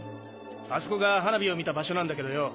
あそこが花火を見た場所なんだけどよ